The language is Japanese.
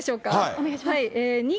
お願いします。